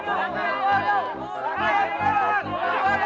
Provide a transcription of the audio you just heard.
kau sudah diangkat